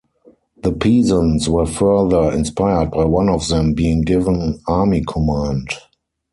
The peasants were further inspired by one of them being given army command.